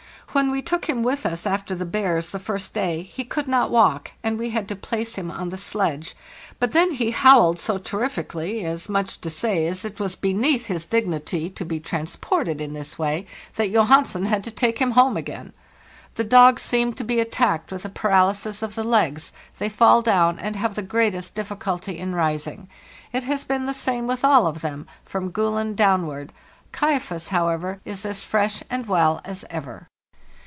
When we took him with us after the bears the first day, he could. not walk, and we had to place him on the sledge; but then he howled so terrifically, as much as to say it was be neath his dignity to be transported in this way, that DY PLEDGE AND KAYAK 31 ios) Johansen had to take him home again. The dogs seem to be attacked with a paralysis of the legs; they fall down, and have the greatest difficulty in rising. It has been the same with all of them, from ' Gulen' downward. ' Kaifas,' however, is as fresh and well as ever.